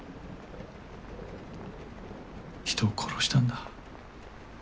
人を殺したんだ。